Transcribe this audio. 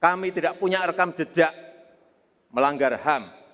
kami tidak punya rekam jejak melanggar ham